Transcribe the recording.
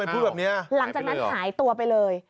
หำจากนั้นหายตัวไปเลยห้ายไปด้วยเหรอ